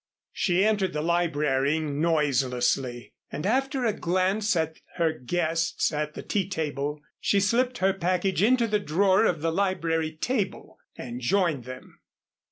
She entered the library noiselessly and after a glance at her guests at the tea table, she slipped her package into the drawer of the library table and joined them.